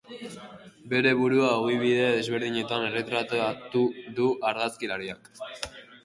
Bere burua ogibide desberdinetan erretratatu du argazkilariak.